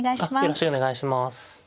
よろしくお願いします。